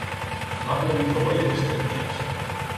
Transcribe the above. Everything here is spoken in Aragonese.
No ha plevito guaire estes días.